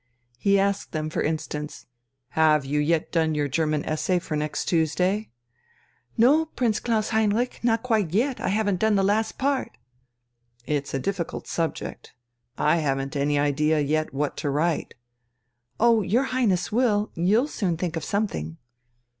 He asked him for instance: "Have you yet done your German essay for next Tuesday?" "No, Prince Klaus Heinrich, not quite yet; I haven't yet done the last part." "It's a difficult subject. I haven't any idea yet what to write." "Oh, your Highness will.... You'll soon think of something!"